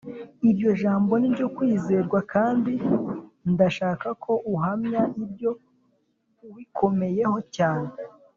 Iryo jambo ni iryo kwizerwa kandi ndashaka ko uhamya ibyo ubikomeyeho cyane